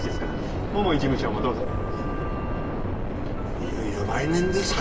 いよいよ来年ですか。